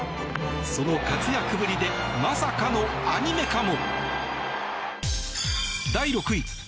その活躍ぶりでまさかのアニメ化も。